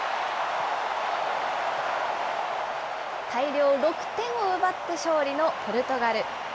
大量６点を奪って勝利のポルトガル。